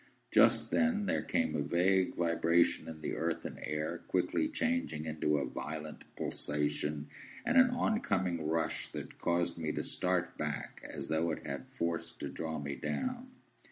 Just then there came a vague vibration in the earth and air, quickly changing into a violent pulsation, and an oncoming rush that caused me to start back, as though it had force to draw me down.